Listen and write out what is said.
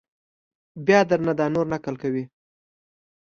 بیا در نه دا نور نقل کوي!